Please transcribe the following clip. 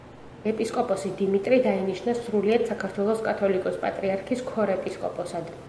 ეპისკოპოსი დიმიტრი დაინიშნა სრულიად საქართველოს კათოლიკოს-პატრიარქის ქორეპისკოპოსად.